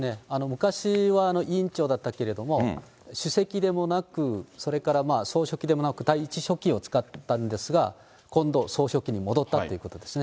昔は委員長だったけれども、主席でもなく、それから総書記でもなく、第１書記を使ったんですが、今度、総書記に戻ったということですね。